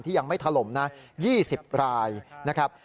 ยังไม่ถล่มนะ๒๐รายนะครับ